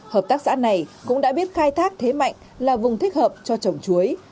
hợp tác xã này cũng đã biết khai thác thế mạnh là vùng thích hợp cho trồng chuối